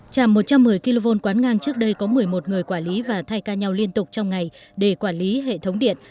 chạm một trăm một mươi kv quán ngang trước đây có một mươi một người quản lý và thay ca nhau liên tục trong ngày để quản lý hệ thống điện